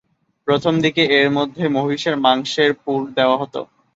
প্রথমদিকে এর মধ্যে মহিষের মাংসের পুর দেয়া হতো।